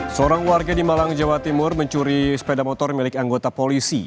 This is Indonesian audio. seorang warga di malang jawa timur mencuri sepeda motor milik anggota polisi